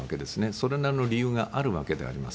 それなりの理由があるわけであります。